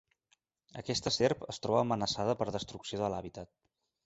Aquesta serp es troba amenaçada per destrucció de l'hàbitat.